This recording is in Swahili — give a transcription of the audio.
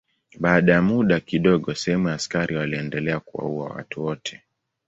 Baada ya muda kidogo sehemu ya askari waliendelea kuwaua watu wote.